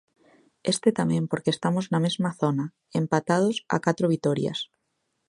Este tamén porque estamos na mesma zona, empatados a catro vitorias.